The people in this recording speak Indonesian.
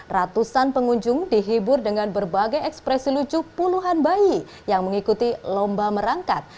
ratusan pengunjung dihibur dengan berbagai ekspresi lucu puluhan bayi yang mengikuti lomba merangkat